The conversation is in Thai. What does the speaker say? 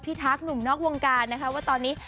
ทักหนุ่มนอกวงการนะคะว่าตอนนี้